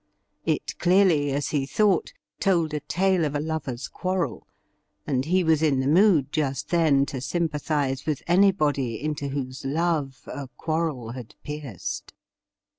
It clearly, as he thought, told a tale of a lovers' quarrel, and he was in the mood just then to sympathize with anybody into whose love a quarrel had pierced.